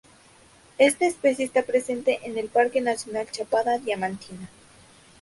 Esta especie está presente en el Parque nacional Chapada Diamantina.